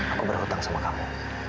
aku berhutang sama kamu